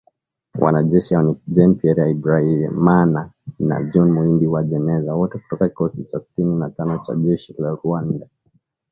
Wanajeshi hao ni Jean Pierre Habyarimana na John Muhindi Uwajeneza, wote kutoka kikosi cha sitini na tano cha jeshi la Rwanda